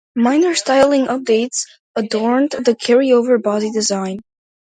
Minor styling updates adorned the carry-over body design.